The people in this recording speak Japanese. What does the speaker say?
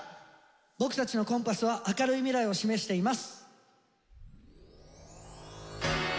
僕たちのコンパスは明るい未来を示しています。